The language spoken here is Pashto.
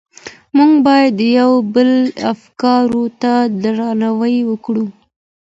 موږ بايد د يو بل افکارو ته درناوی وکړو.